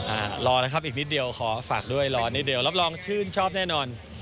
รอนะครับอีกนิดเดียวขอฝากด้วยรอนิดเดียวรับรองชื่นชอบแน่นอน